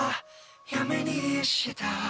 「やめにした」